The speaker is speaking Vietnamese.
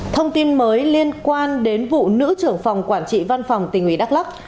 thông tin mới liên quan đến vụ nữ trưởng phòng quản trị văn phòng tỉnh ủy đắk lắc